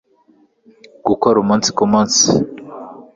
gukora umunsi ku munsi